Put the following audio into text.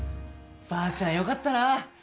ばあちゃんよかったな。